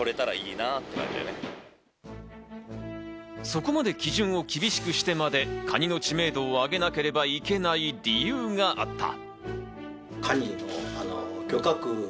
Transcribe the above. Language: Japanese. そこまで基準を厳しくしてまで、カニの知名度を上げなければいけない理由があった。